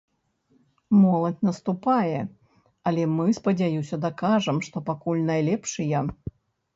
Моладзь наступае, але мы, спадзяюся, дакажам, што пакуль найлепшыя!